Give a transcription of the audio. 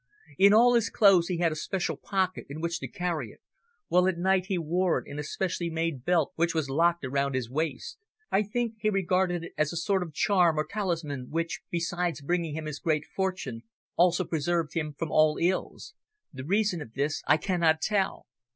In all his clothes he had a special pocket in which to carry it, while at night he wore it in a specially made belt which was locked around his waist. I think he regarded it as a sort of charm, or talisman, which, besides bringing him his great fortune, also preserved him from all ills. The reason of this I cannot tell."